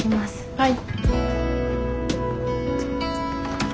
はい。